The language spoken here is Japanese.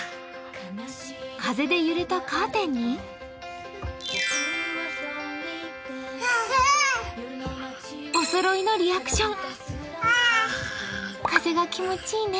風で揺れたカーテンにおそろいのリアクション。